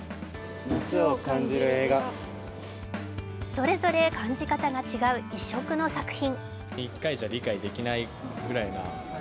それぞれ感じ方が違う異色の作品。